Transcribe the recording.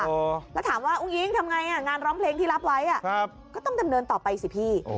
แล้วถามว่าอุ้งอิ๊งทำไงงานร้องเพลงที่รับไว้ก็ต้องดำเนินต่อไปสิพี่